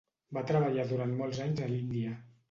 Va treballar durant molts anys a l'Índia.